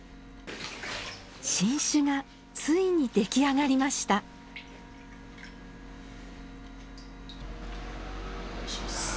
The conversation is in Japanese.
新酒がついに出来上がりましたお願いします。